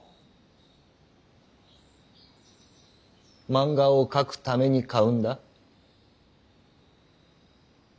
漫画を描くために買うんだ。